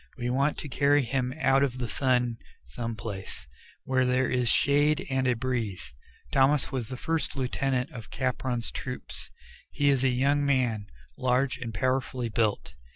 We want to carry him out of the sun some place, where there is shade and a breeze." Thomas was the first lieutenant of Capron's troop. He is a young man, large and powerfully built.